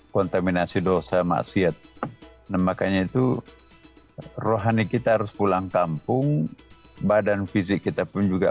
kontaminasi dosa maksiat dan makanya itu rohani kita harus pulang kampung badan fisik kita pun juga